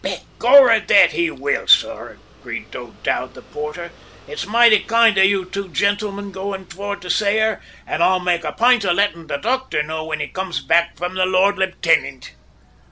"`Begorrah, that he will, sor,' agreed O'Dowd, the porter. `It's moighty kind of you two young gintlemen going for to say her, an' I'll make a p'int of lettin' the docther know whin he comes back from the Lord Liftinnint!'